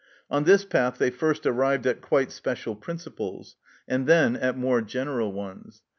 On this path they first arrived at quite special principles, and then at more general ones.